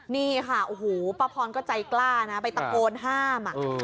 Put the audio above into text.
นี่ค่ะโอ้โหป้าพรก็ใจกล้านะไปตะโกนห้าม